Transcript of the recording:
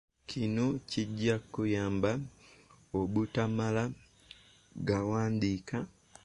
Kino kijja kukuyamba obutamala gawandiika